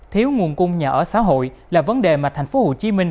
thiếu nguồn cung nhà ở xã hội là vấn đề mà thành phố hồ chí minh